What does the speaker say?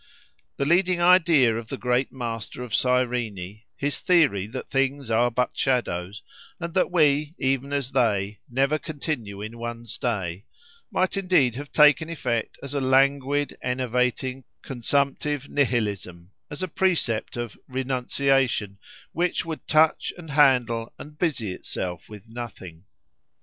The leading idea of the great master of Cyrene, his theory that things are but shadows, and that we, even as they, never continue in one stay, might indeed have taken effect as a languid, enervating, consumptive nihilism, as a precept of "renunciation," which would touch and handle and busy itself with nothing.